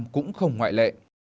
cũng không ngoại lệ